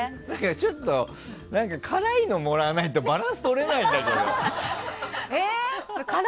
ちょっと、何か辛いのもらわないとバランスとれないんだけど。